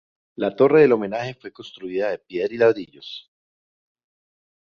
La torre del homenaje fue construida de piedra y ladrillos.